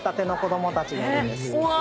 うわ！